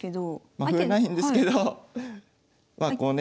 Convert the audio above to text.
まあ歩ないんですけどこうね